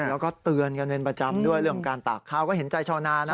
แล้วก็เตือนกันเป็นประจำด้วยเรื่องของการตากข้าวก็เห็นใจชาวนานะ